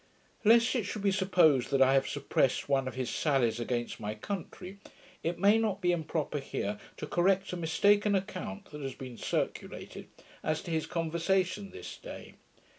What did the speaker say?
Lest it should be supposed that I have suppressed one of his sallies against my country, it may not be improper here to correct a mistaken account that has been circulated, as to his conversation this day.